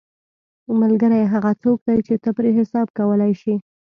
ملګری هغه څوک دی چې ته پرې حساب کولی شې.